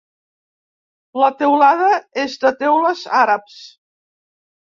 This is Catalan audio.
La teulada és de teules àrabs.